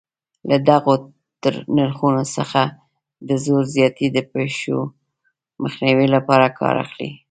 له دغو نرخونو څخه د زور زیاتي د پېښو مخنیوي لپاره کار اخلي.